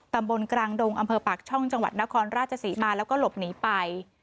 กลางดงอำเภอปากช่องจังหวัดนครราชศรีมาแล้วก็หลบหนีไป